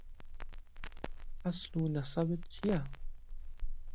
عهسڵ و نهسهبت چییه